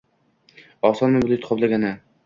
Osmonni bulut qoplagandi.